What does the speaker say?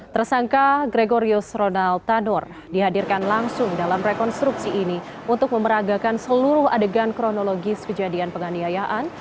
tersangka gregorius ronald tanur dihadirkan langsung dalam rekonstruksi ini untuk memeragakan seluruh adegan kronologis kejadian penganiayaan